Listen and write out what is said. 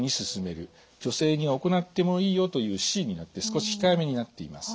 女性には行ってもいいよというＣになって少し控えめになっています。